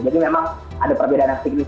jadi memang ada perbedaan yang sangat banyak